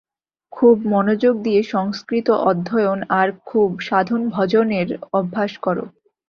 খুব মনোযোগ দিয়ে সংস্কৃত অধ্যয়ন আর খুব সাধনভজনের অভ্যাস কর।